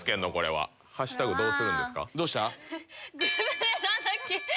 どうした？